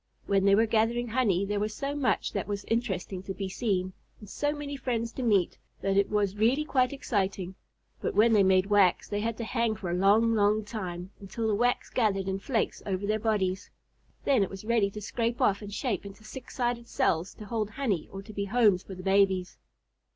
When they were gathering honey there was so much that was interesting to be seen, and so many friends to meet, that it was really quite exciting; but when they made wax they had to hang for a long, long time, until the wax gathered in flakes over their bodies. Then it was ready to scrape off and shape into six sided cells to hold honey or to be homes for the babies.